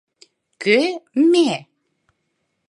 — Кӧ — ме?